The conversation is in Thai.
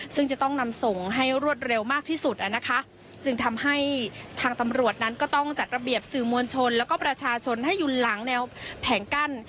ซึ่งจะต้องนำส่งให้รวดเร็วมากที่สุดอ่ะนะคะจึงทำให้ทางตำรวจนั้นก็ต้องจัดระเบียบสื่อมวลชนแล้วก็ประชาชนให้อยู่หลังแนวแผงกั้น